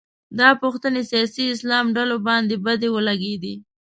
دا پوښتنې سیاسي اسلام ډلو باندې بدې ولګېدې